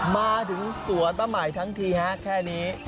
มาถึงสวนป้าหมายทั้งทีฮะแค่นี้